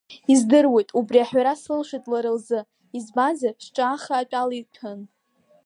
Издыруеит убри аҳәара сылшеит лара лзы избанзар сҿы ахаатә ала иҭәын.